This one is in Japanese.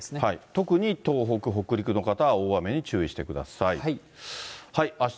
特に東北、北陸の方は大雨に注意してください。